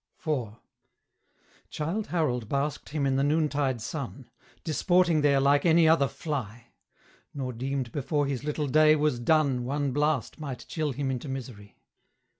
IV. Childe Harold basked him in the noontide sun, Disporting there like any other fly, Nor deemed before his little day was done One blast might chill him into misery.